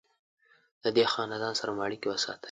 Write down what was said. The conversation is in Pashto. له دې خاندان سره مو اړیکې وساتلې.